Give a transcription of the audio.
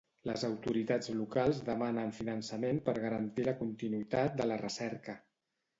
Les autoritats locals demanen finançament per garantir la continuïtat de la recerca.